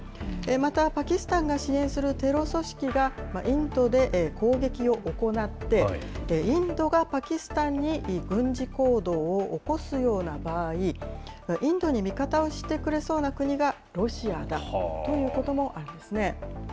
また、パキスタンが支援するテロ組織が、インドで攻撃を行って、インドがパキスタンに軍事行動を起こすような場合、インドに味方をしてくれそうな国がロシアだということもありますね。